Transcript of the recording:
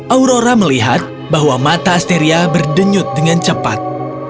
aurora melihat bahwa mata asteria berdenyut dengan cepat